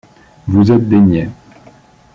Vous êtes des niais.